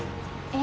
え？